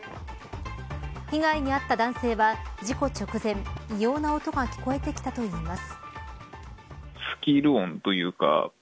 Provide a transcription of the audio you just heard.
被害に遭った男性は、事故直前異様な音が聞こえてきたといいます。